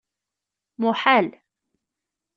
Muḥal!